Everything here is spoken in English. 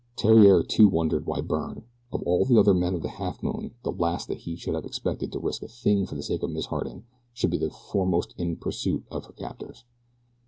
Theriere too wondered why Byrne, of all the other men upon the Halfmoon the last that he should have expected to risk a thing for the sake of Miss Harding, should be the foremost in pursuit of her captors.